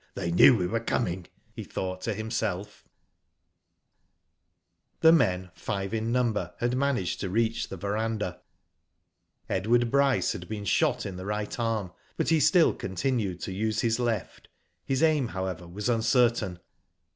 They knew we were coming/' he thought to him self. Digitized byGoogk ATTACK ON THE HOMESTEAD. 169 The men, five in number, had managed to reach the verandah. Edward Bryce had be^n shot in the right arm, but he still continued to use his left. His aim, however, was uncertain.